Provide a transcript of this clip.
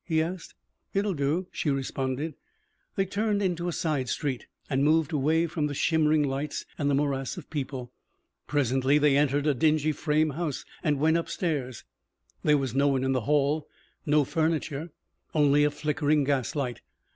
he asked. "It'll do," she responded. They turned into a side street and moved away from the shimmering lights and the morass of people. Presently they entered a dingy frame house and went upstairs. There was no one in the hall, no furniture, only a flickering gas light.